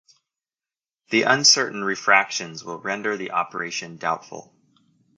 The uncertain refractions will render the operation doubtful.